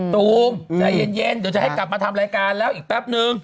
ตูมใจเย็นเดี๋ยวจะให้กลับมาทำรายการแล้วอีกแป๊บนึง